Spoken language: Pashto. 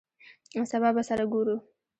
سبا به سره ګورو !